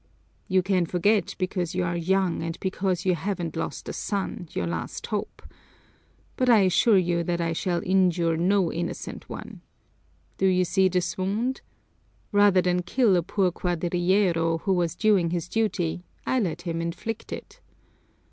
"You can forget because you are young and because you haven't lost a son, your last hope! But I assure you that I shall injure no innocent one. Do you see this wound? Rather than kill a poor cuadrillero, who was doing his duty, I let him inflict it."